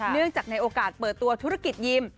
เนื่องจากในโอกาสเปิดตัวธุรกิจยิม